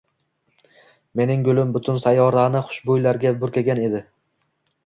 Mening gulim butun sayyorani xush bo‘ylarga burkagan edi